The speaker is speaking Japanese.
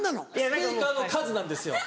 スピーカーの数なんですよ。